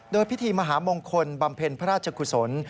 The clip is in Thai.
โดยพิธีมหามงคลบำเพ็ญพระราชกุศล